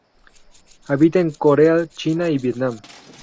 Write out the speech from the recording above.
Habita en Corea, China y Vietnam.